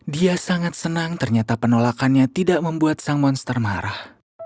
dia sangat senang ternyata penolakannya tidak membuat sang monster marah